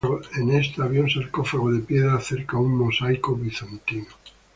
En esta había un sarcófago de piedra, cerca un mosaico bizantino.